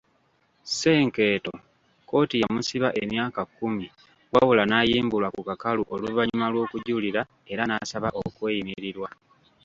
Senkeeto kkooti yamusiba emyaka kumi wabula n'ayimbulwa ku kakalu oluvannyuma lw'okujulira era n'asaba okweyimirirwa.